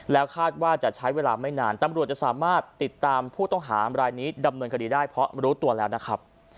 แล้วคาดว่าจะใช้เวลาไม่นานตำรวจจะสามารถติดตามผู้ต้องหารายนี้ดำเนินคดีได้เพราะรู้ตัวแล้วนะครับ